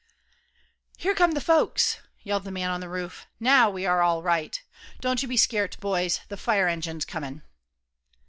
"Here come th' folks," yelled the man on the roof. "Now we're all right. Don't you be scart, boys, th' fire engine's comin'."